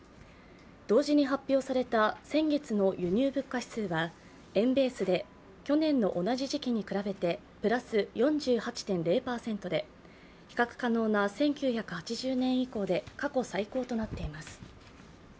同時に発表された先月の輸入物価指数は、円ベースで去年の同じ時期に比べてプラス４８．０％で比較可能な１９８０年以降で過去最高となっています。